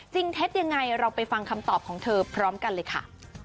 เท็จยังไงเราไปฟังคำตอบของเธอพร้อมกันเลยค่ะ